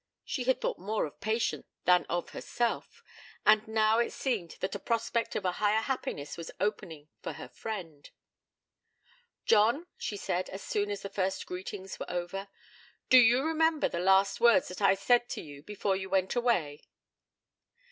She had thought more of Patience than of herself, and now it seemed that a prospect of a higher happiness was opening for her friend. 'John,' she said, as soon as the first greetings were over, 'do you remember the last words that I said to you before you went away?'